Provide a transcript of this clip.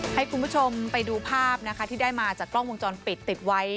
ให้คุณผู้ชมไปดูภาพนะคะที่ได้มาจากกล้องวงจรปิดติดไว้